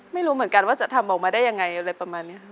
ไม่รู้เหมือนกันว่าจะทำออกมาได้ยังไงอะไรประมาณนี้ค่ะ